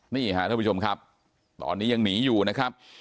นี่ค่ะท่านผู้ชมครับตอนนี้ยังหนีอยู่นะครับ